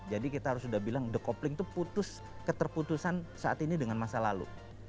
kita harus sudah bilang the copling itu putus keterputusan saat ini dengan masa lalu